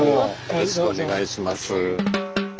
よろしくお願いします。